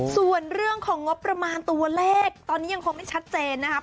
ส่วนเรื่องของงบประมาณตัวเลขตอนนี้ยังคงไม่ชัดเจนนะครับ